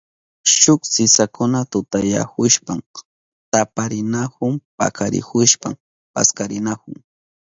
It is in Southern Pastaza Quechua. Shuk sisakuna tutayahushpan taparinahun pakarihushpan paskarinahun.